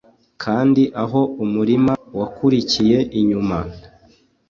Kandi aho umurima wakurikiye inyuma